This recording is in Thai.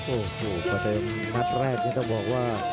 โอ้โหประเดิมมันแรกนี่จะบอกว่า